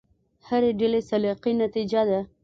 هرې ډلې سلیقې نتیجه ده.